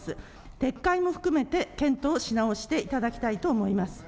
撤回も含めて、検討をし直していただきたいと思います。